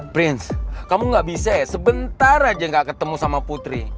prince kamu gak bisa ya sebentar aja gak ketemu sama putri